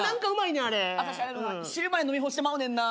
私汁まで飲み干してまうねんな。